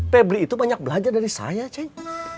febri itu banyak belajar dari saya ceng